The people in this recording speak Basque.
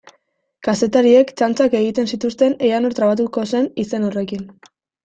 Kazetariek txantxak egiten zituzten ea nor trabatuko zen izen horrekin.